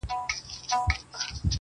په خپل لاس مي دا تقدیر جوړ کړ ته نه وې،